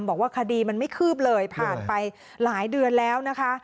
บอกว่าคดีมันไม่คืบเลยผ่านไปหลายเดือนแล้วนะคะ